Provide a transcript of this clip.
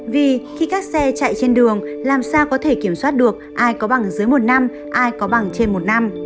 vì khi các xe chạy trên đường làm sao có thể kiểm soát được ai có bằng dưới một năm ai có bằng trên một năm